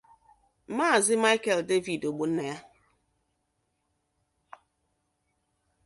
Maazị Michael David Ogbonnaya